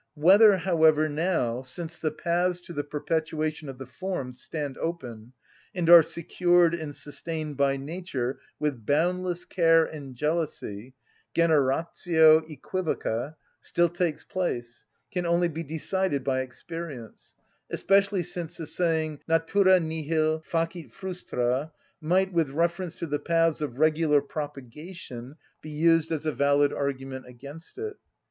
Whether, however, now, since the paths to the perpetuation of the forms stand open, and are secured and sustained by nature with boundless care and jealousy, generatio œquivoca still takes place, can only be decided by experience; especially since the saying, Natura nihil facit frustra, might, with reference to the paths of regular propagation, be used as a valid argument against it.